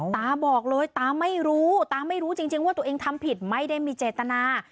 ตาบอกเลยตาไม่รู้ตาไม่รู้จริงว่าตัวเองทำผิดไม่ได้มีเจตนา